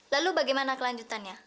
lalu bagaimana kelanjutannya